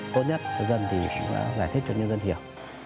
tốt nhất cho dân thì phải giải thích cho nhân dân hiểu